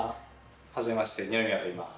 はじめまして、二宮といいます。